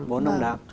bốn ông đám